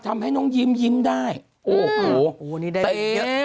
จะมีสักคนนึงอ่ะบอกอย่างงั้นมันเป็นโรคที่แบบว่าหาคนเป็นยากเหลือเกิน